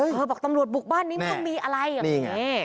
เออบอกตำรวจบุกบ้านนี้ไม่มีอะไรแบบนี้